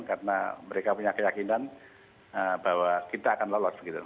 karena mereka punya keyakinan bahwa kita akan lolos